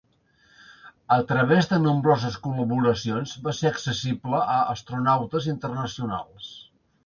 A través de nombroses col·laboracions, va ser accessible a astronautes internacionals.